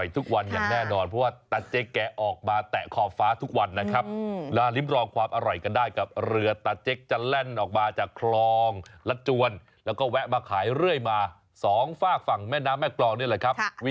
ท่าเหลือท่าเหลือตรงนี้นะครับ